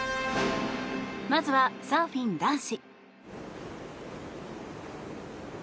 まずはサーフィン男子。